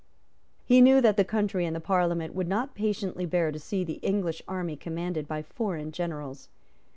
He knew that the country and the Parliament would not patiently bear to see the English army commanded by foreign generals.